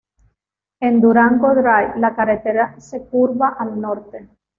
En Durango Drive, la carretera se curva al norte.